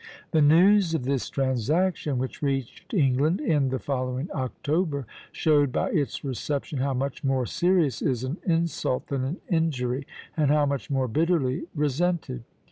The news of this transaction, which reached England in the following October, showed by its reception how much more serious is an insult than an injury, and how much more bitterly resented.